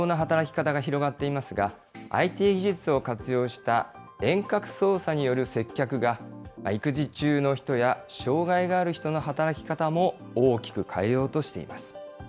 コロナ禍で、テレワークなど、多様な働き方が広がっていますが、ＩＴ技術を活用した遠隔操作による接客が、育児中の人や障害がある人の働き方も大きく変えようとしています。